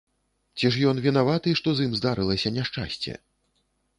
Ці ж ён вінаваты, што з ім здарылася няшчасце?